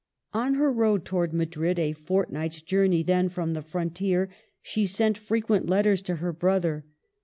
On her road towards Madrid, a fortnight's journey then from the frontier, she sent frequent letters to her brother.